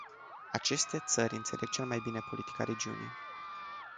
Aceste țări înțeleg cel mai bine politica regiunii.